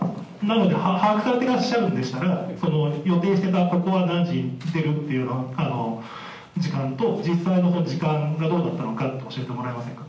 把握されてらっしゃるんでしたら、予定してた、ここは何時に出るという時間と実際の時間がどうだったのか教えてもらえませんか？